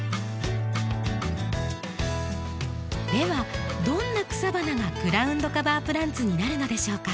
ではどんな草花がグラウンドカバープランツになるのでしょうか？